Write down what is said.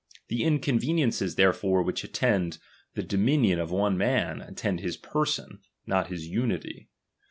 The inconveniences therefore which attend the do minion of one man, attend his person, not his unity.